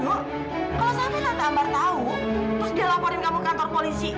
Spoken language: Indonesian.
kalau sampai tante akbar tau terus dia laporin kamu ke kantor polisi